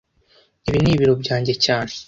Ibi ni biro byanjye cyane